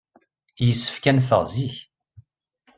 Yessefk ad neffeɣ zik.